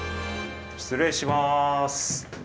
失礼します！